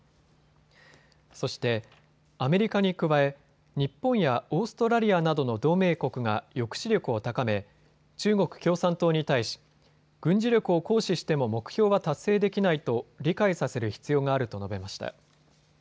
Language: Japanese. そして、アメリカに加え日本やオーストラリアなどの同盟国が抑止力を高め中国共産党に対し軍事力を行使しても目標は達成できないと理解させる必要があると述べました。